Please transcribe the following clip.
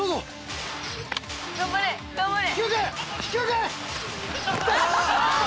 「頑張れ頑張れ」「」「」